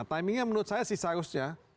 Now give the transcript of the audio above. timingnya menurut saya sih seharusnya